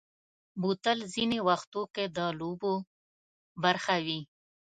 بوتل ځینې وختو کې د لوبو برخه وي.